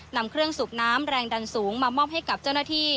นำเครื่องสูบน้ำแรงดันสูงมามอบให้กับเจ้าหน้าที่